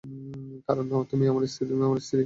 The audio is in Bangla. কারণ তুমি আমার স্ত্রী।